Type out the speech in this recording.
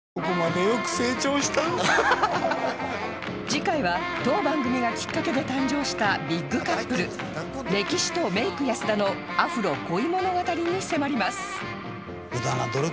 次回は当番組がきっかけで誕生したビッグカップルレキシとメイク安田のアフロ恋物語に迫ります